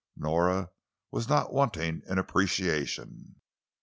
Nora was not wanting in appreciation.